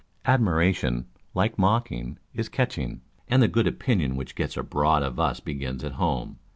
Admiration, like mocking, is matching : and the good opinion which gets abroad of us begins at home.